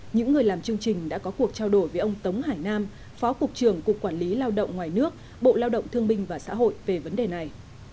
những người làm chương trình đã có cuộc trao đổi với ông tống hải nam phó cục trưởng cục quản lý lao động ngoài nước bộ lao động thương binh và xã hội về vấn đề này